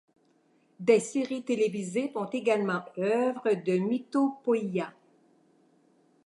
Des séries télévisées font également œuvre de mythopoeïa.